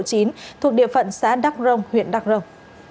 thuộc địa phận xã đắc rông huyện đắc rông